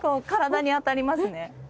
体に当たりますね。